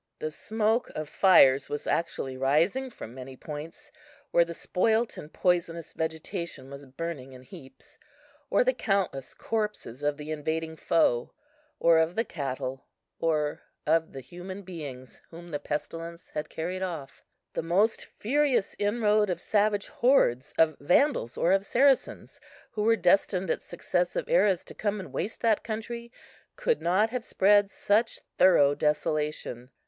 The smoke of fires was actually rising from many points, where the spoilt and poisonous vegetation was burning in heaps, or the countless corpses of the invading foe, or of the cattle, or of the human beings whom the pestilence had carried off. The most furious inroad of savage hordes, of Vandals, or of Saracens, who were destined at successive eras to come and waste that country, could not have spread such thorough desolation.